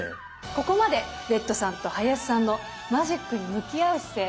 ここまでレッドさんと林さんのマジックに向き合う姿勢